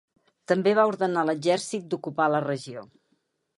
També va ordenar a l’exèrcit d’ocupar la regió.